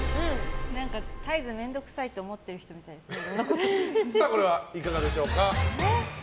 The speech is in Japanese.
絶えず面倒くさいと思ってる人みたいですね。